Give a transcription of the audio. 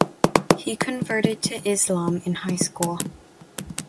He converted to Islam in high school.